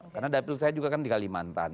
karena dapil saya juga kan di kalimantan